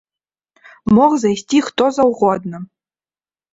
Мог зайсці хто заўгодна.